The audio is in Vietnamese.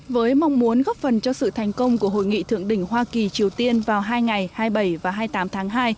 với mong muốn góp phần cho sự thành công của hội nghị thượng đỉnh hoa kỳ triều tiên vào hai ngày hai mươi bảy và hai mươi tám tháng hai